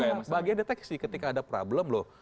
nah bagian deteksi ketika ada problem loh